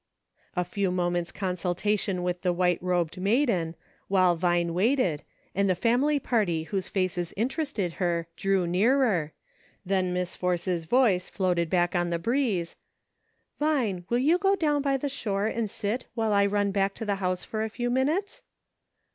''" A few moments' consultation with the white robed maiden, while Vine waited, and the family party whose faces interested her, drew nearer, then Miss Force's voice floated back on the breeze, —" Vine, will you go down by the shore and sit while I run back to the house for a few minutes